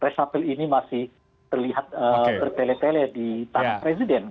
pengumuman presapil ini masih terlihat bertele tele di tangan presiden